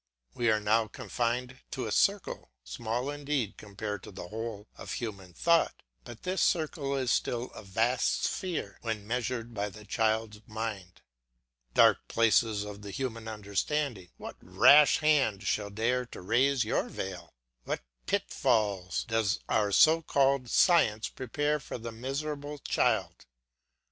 We are now confined to a circle, small indeed compared with the whole of human thought, but this circle is still a vast sphere when measured by the child's mind. Dark places of the human understanding, what rash hand shall dare to raise your veil? What pitfalls does our so called science prepare for the miserable child.